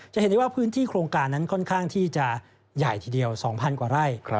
จะเห็นได้ว่าพื้นที่โครงการนั้นค่อนข้างที่จะใหญ่ทีเดียว๒๐๐กว่าไร่